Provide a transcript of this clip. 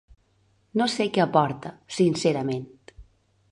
No sé què aporta, sincerament.